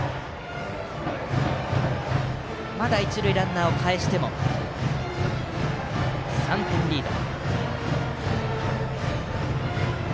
まだ一塁ランナーをかえしても３点リード。